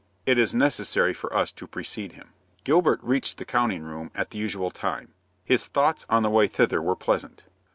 It is necessary for us to precede him. Gilbert reached the counting room at the usual time. His thoughts on the way thither were pleasant.